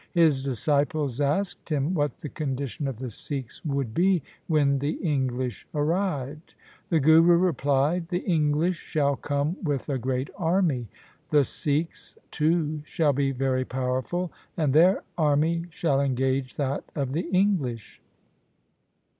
His disciples asked him what the condition of the Sikhs would be when the English arrived. The Guru replied, ' The English shall come with a great army. The Sikhs too shall be very powerful, and their army shall engage that of the English.